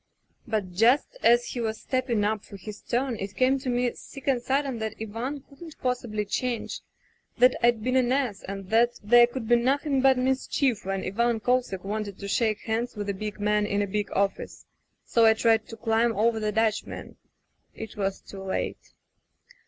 "But just as he was stepping up for his turn it came to me sick and sudden that Ivan couldn't possibly change; that Fd been an ass, and that there could be nothing but mischief when Ivan Kosek wanted to shake hands with a big man in a big office. So I tried to climb over the Dutchman — ^it was too late.